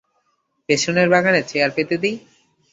পেছনের বাগানে চেয়ার পেতে দি।